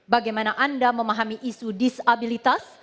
bagaimana anda memahami isu disabilitas